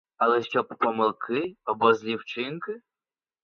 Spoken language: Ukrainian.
Але щоб помилки, або злі вчинки?